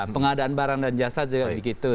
pengadaan barang dan jasa juga begitu